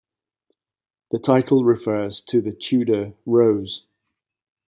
The title refers to the Tudor rose.